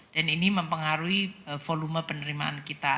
dan ini mempengaruhi volume penerimaan kita